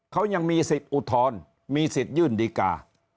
เขายังมีสิทธิ์อุทธรณ์มีสิทธิ์ยื่นดีกา